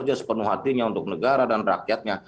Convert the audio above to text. mau bekerja sepenuh hatinya untuk negara dan rakyatnya